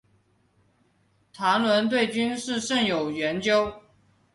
谭纶对军事甚有研究。